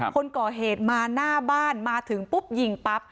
คนก่อเหตุมาหน้าบ้านมาถึงปุ๊บยิงปั๊บ